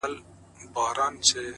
o زه هم دعاوي هر ماښام كومه؛